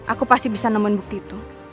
aku pasti bisa nemenin bukti itu